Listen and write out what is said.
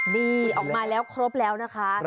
นี่ออกมาแล้วครบแล้วนะคะ